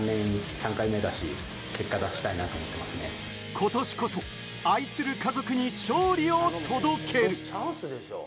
今年こそ愛する家族に勝利を届ける。